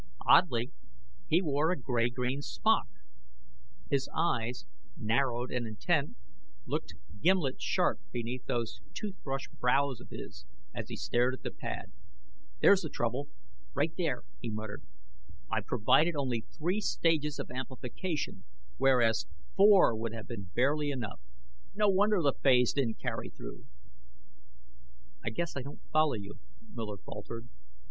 Oddly, he wore a gray green smock. His eyes, narrowed and intent, looked gimlet sharp beneath those toothbrush brows of his, as he stared at the pad. "There's the trouble, right there," he muttered. "I provided only three stages of amplification, whereas four would have been barely enough. No wonder the phase didn't carry through!" "I guess I don't follow you," Miller faltered.